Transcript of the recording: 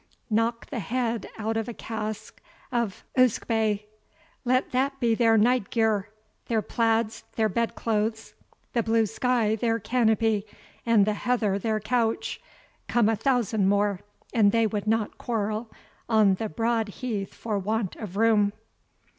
Knock the head out of a cask of usquebae; let that be their night gear their plaids their bed clothes the blue sky their canopy, and the heather their couch. Come a thousand more, and they would not quarrel on the broad heath for want of room!"